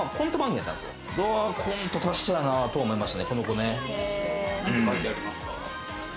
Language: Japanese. コント達者やなと思いました。